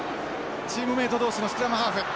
チームメート同士のスクラムハーフ。